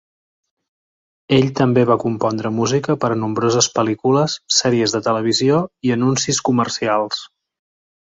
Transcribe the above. Ell també va compondre música per a nombroses pel·lícules, sèries de televisió i anuncis comercials.